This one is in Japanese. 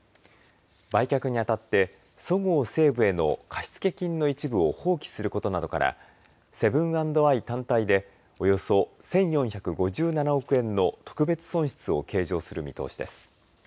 売却にあたってそごう・西武への貸付金の一部を放棄することなどからセブン＆アイ単体でおよそ１４５７億円の特別損失を計上する見通しです。